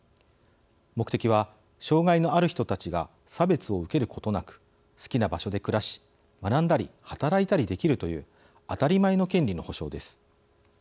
目的は障害のある人たちが差別を受けることなく好きな場所で暮らし学んだり働いたりできるという当たり前の権利の保障です。